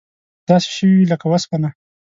داسې شوي وې لکه وسپنه.